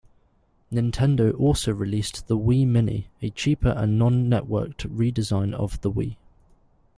Nintendo also released the Wii Mini, a cheaper and non-networked redesign of the Wii.